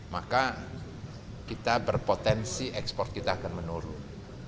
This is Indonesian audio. maka kita berpotensi ekspor kita akan menurun